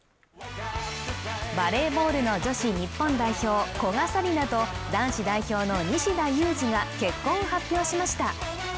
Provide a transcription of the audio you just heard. バレーボールの女子日本代表古賀紗理那と男子代表の西田有志が結婚を発表しました。